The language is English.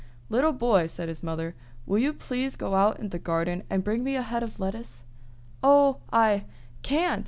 "Little Boy," said his mother, "will you please go out in the garden and bring me a head of lettuce?" "Oh, I can't!"